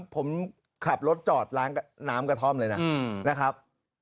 ผมขับรถจอดล้างน้ำกระท่อมเลยนะครับ